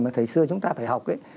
mà thời xưa chúng ta phải học ấy